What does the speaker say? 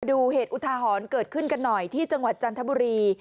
ดูเหตุอุทาหรณ์เกิดขึ้นกันหน่อยที่จังหวัดจันทบุรี